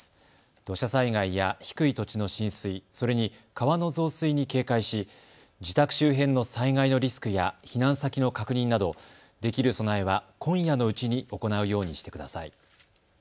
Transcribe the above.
土砂災害や低い土地の浸水、それに川の増水に警戒し、自宅周辺の災害のリスクや避難先の確認など、できる備えは今夜のうちに行うようにしてください。